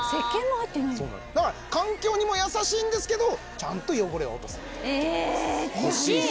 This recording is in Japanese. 環境にも優しいんですけどちゃんと汚れは落とす